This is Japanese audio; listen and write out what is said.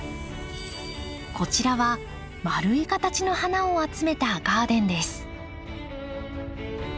こちらはまるい形の花を集めたガーデンです。